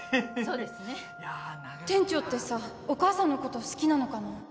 そうですね店長ってさお母さんのこと好きなのかな